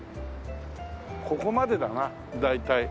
ここまでだな大体。